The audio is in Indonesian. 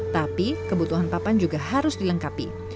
tapi kebutuhan papan juga harus dilengkapi